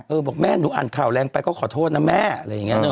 เออบอกแม่หนูอันข่าวแรงไปก็ขอโทษนะแม่อะไรอย่างนี้นึกออกป่ะ